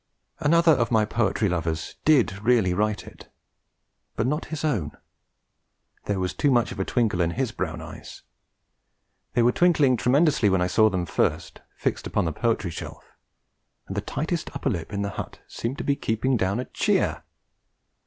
Another of my poetry lovers did really write it but not his own there was too much of a twinkle in his brown eyes! They were twinkling tremendously when I saw them first, fixed upon the Poetry Shelf, and the tightest upper lip in the hut seemed to be keeping down a cheer.